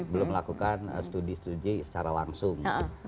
belum melakukan studi studi secara langsung